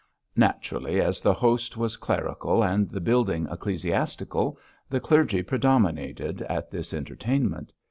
Naturally, as the host was clerical and the building ecclesiastical, the clergy predominated at this entertainment.